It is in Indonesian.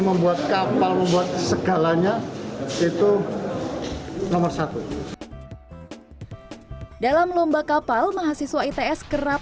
membuat kapal membuat segalanya itu nomor satu dalam lomba kapal mahasiswa its kerap